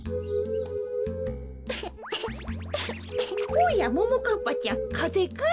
おやももかっぱちゃんかぜかい？